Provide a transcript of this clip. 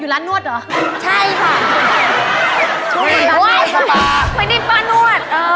อยู่ร้านนวดเหรอ